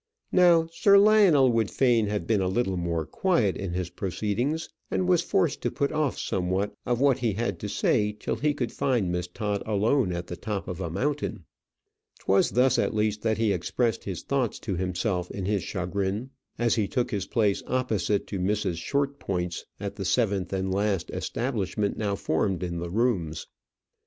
Now Sir Lionel would fain have been a little more quiet in his proceedings, and was forced to put off somewhat of what he had to say till he could find Miss Todd alone on the top of a mountain. 'Twas thus at least that he expressed his thoughts to himself in his chagrin, as he took his place opposite to Mrs. Shortpointz at the seventh and last establishment now formed in the rooms.